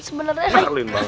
sebenernya pak deh